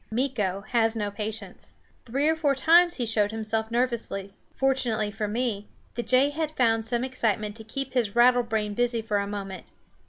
Meeko, has no patience. Three or four times he showed himself nervously. Fortunately for me, the jay had found some excitement to keep his rattle brain busy for a moment.